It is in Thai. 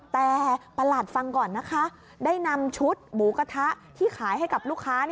แต่ประหลัดฟังก่อนนะคะได้นำชุดหมูกระทะที่ขายให้กับลูกค้า